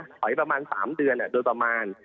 ถอยประมาณ๓เดือนโดยประมาณ